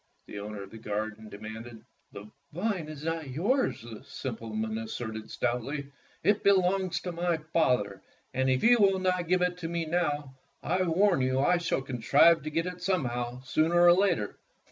the owner of the garden demanded. "The vine is not yours," the simpleton as serted stoutly. "It belongs to my father, and if you will not give it to me now, I warn you that I shall contrive to get it somehow, sooner or later."